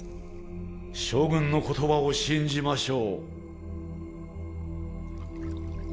将軍の言葉を信じましょう。